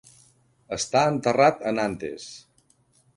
Està enterrat a Nantes.